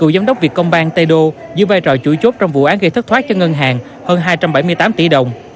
tổ chức việt công banh tây độ giữ vai trò chủi chốt trong vụ án gây thất thoát cho ngân hàng hơn hai trăm bảy mươi tám tỷ đồng